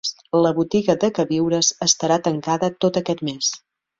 La botiga de queviures estarà tancada tot aquest mes.